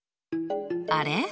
あれ？